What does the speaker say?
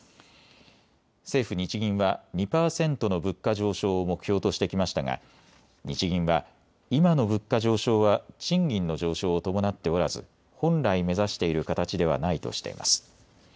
政府・日銀は２％の物価上昇を目標としてきましたが日銀は今の物価上昇は賃金の上昇を伴っておらず、本来目指している形ではないとしています。